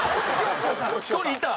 １人いた。